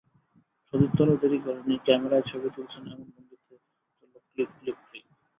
সতীর্থরাও দেরি করেনি, ক্যামেরায় ছবি তুলছেন এমন ভঙ্গিতে চলল ক্লিক ক্লিক ক্লিক।